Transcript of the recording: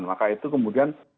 maka itu kemudian